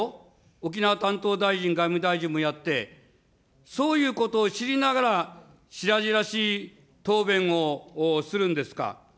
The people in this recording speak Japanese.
沖縄担当大臣、外務大臣もやって、そういうことを知りながら、しらじらしい答弁をするんですか。